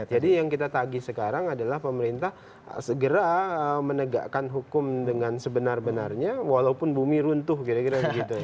jadi yang kita tagih sekarang adalah pemerintah segera menegakkan hukum dengan sebenar benarnya walaupun bumi runtuh kira kira gitu